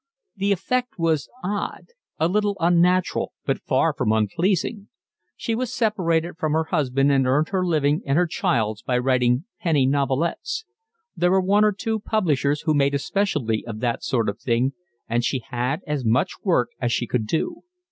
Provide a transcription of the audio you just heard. The effect was odd, a little unnatural, but far from unpleasing. She was separated from her husband and earned her living and her child's by writing penny novelettes. There were one or two publishers who made a specialty of that sort of thing, and she had as much work as she could do.